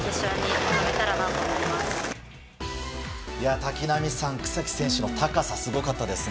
瀧波さん、草木選手の高さすごかったですね。